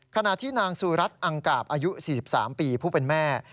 ขณะที่นางสุรัตนอังกาบอายุ๔๓ปีผู้เป็นแม่